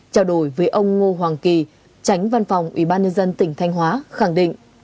trao đổi với ông ngô hoàng kỳ tránh văn phòng ubnd tỉnh thanh hóa khẳng định